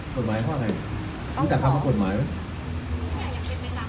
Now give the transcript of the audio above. กฎหมายเขาว่าไงรู้จักเขาว่ากฎหมายไหม